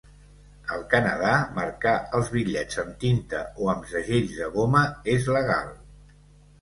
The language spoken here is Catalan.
Al Canadà, marcar els bitllets amb tinta o amb segells de goma és legal.